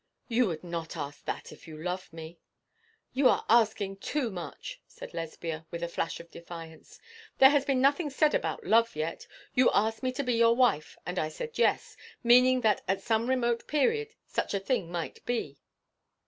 'You would not ask that if you loved me.' 'You are asking too much,' said Lesbia, with a flash of defiance. 'There has been nothing said about love yet. You asked me to be your wife, and I said yes meaning that at some remote period such a thing might be.'